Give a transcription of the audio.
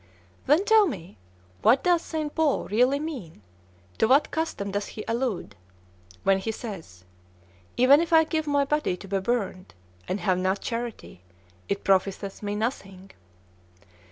"Then, tell me, what does St. Paul really mean, to what custom does he allude, when he says, 'Even if I give my body to be burned, and have not charity, it profiteth me nothing'?"